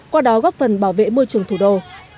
qua đó góp phần bảo vệ môi trường thủ đô